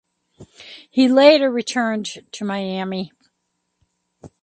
He later returned to Miami.